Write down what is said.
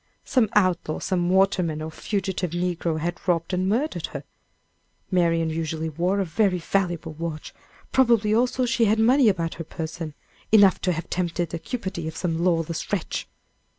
Some outlaw, some waterman, or fugitive negro had robbed and murdered her. Marian usually wore a very valuable watch; probably, also, she had money about her person enough to have tempted the cupidity of some lawless wretch.